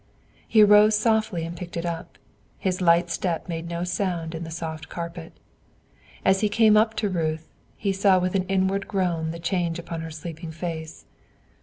He arose softly and picked it up; his light step made no sound in the soft carpet. As he came up to Ruth, he saw with an inward groan the change upon her sleeping face.